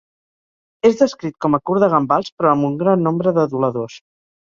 És descrit com a curt de gambals però amb un gran nombre d'aduladors.